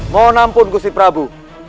mohon ampun gusiprabu